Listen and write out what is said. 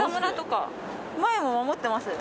前も守ってます。